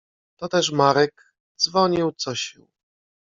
Toteż Marek dzwonił co sił.